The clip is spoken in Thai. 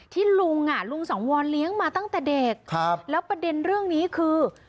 ที่ลุงลุงสังวรเลี้ยงมาตั้งแต่เด็กแล้วประเด็นเรื่องนี้คือ